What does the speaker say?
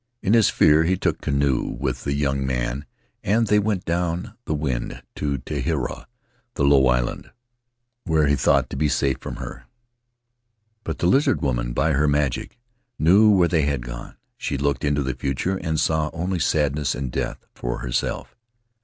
In his fear he took canoe with the young man, and they went down the wind to Tetuaroa, the Low Island, where he thought to be safe from her. But the Lizard Woman, by her magic, knew where they had gone; she looked into the future and saw only sadness and death for herself.